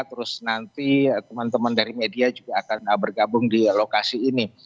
terus nanti teman teman dari media juga akan bergabung di lokasi ini